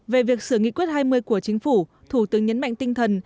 về việc sửa nghị quyết hai mươi của chính phủ thủ tướng nhấn mạnh tinh thần